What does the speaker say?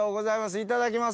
いただきます。